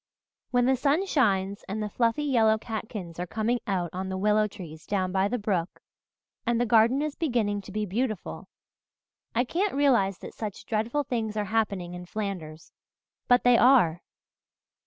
"When the sun shines and the fluffy yellow catkins are coming out on the willow trees down by the brook, and the garden is beginning to be beautiful I can't realize that such dreadful things are happening in Flanders. But they are!